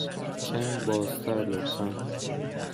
کمی بازتر، لطفاً.